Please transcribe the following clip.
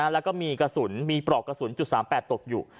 แล้วก็มีกระสุนมีปลอกกระสุน๓๘ตกอยู่